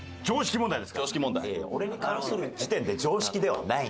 俺に関する時点で常識ではない。